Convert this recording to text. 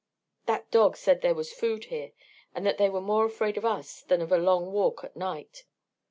"That dog said there was food here, and that they were more afraid of us than of a long walk at night.